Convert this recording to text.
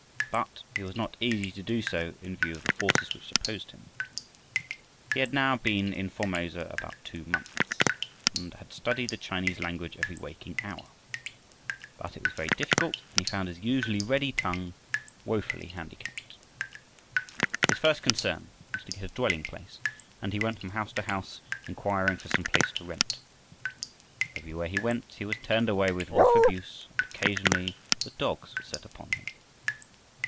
But it was not easy to do so in view of the forces which opposed him. He had now been in Formosa about two months and had studied the Chinese language every waking hour, but it was very difficult, and he found his usually ready tongue wofully handicapped. His first concern was to get a dwelling place, and he went from house to house inquiring for some place to rent. Everywhere he went he was turned away with rough abuse, and occasionally the dogs were set upon him.